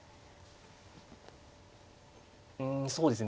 うんそうですね